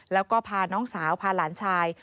แล้วก็พาน้องสาวพาหลานชาย